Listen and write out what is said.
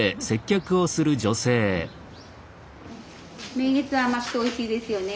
名月は甘くておいしいですよね。